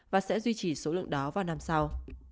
và sẽ duy trì số lượng đó vào năm sau